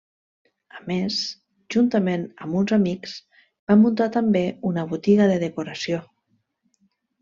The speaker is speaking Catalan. A més, juntament amb uns amics, va muntar també una botiga de decoració.